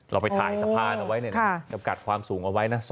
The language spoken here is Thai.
เราไปถ่ายสะพานเอาไว้เนี่ยค่ะกระกัดความสูงเอาไว้น่ะ